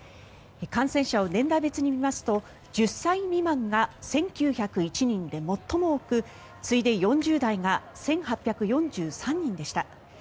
感染者を年代別に見ますと１０歳未満が１９０１人で最も多く次いで４０代が１８４３人でした。